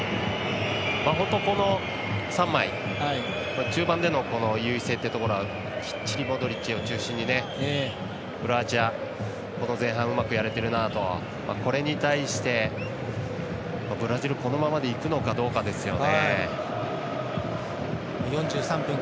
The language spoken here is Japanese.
本当に、この３枚中盤での優位性というところはきっちりモドリッチを中心に前半、うまくやれているなとこれに対してブラジルこのままでいくのかどうかですよね。